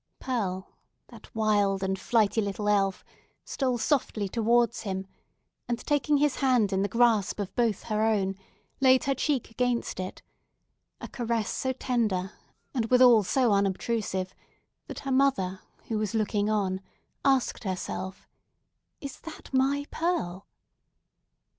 Pearl, that wild and flighty little elf stole softly towards him, and taking his hand in the grasp of both her own, laid her cheek against it; a caress so tender, and withal so unobtrusive, that her mother, who was looking on, asked herself—"Is that my Pearl?"